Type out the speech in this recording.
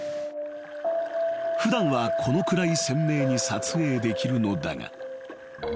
［普段はこのくらい鮮明に撮影できるのだが］